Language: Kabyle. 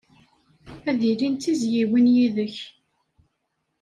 Ad ilin d tizzyiwin yid-k.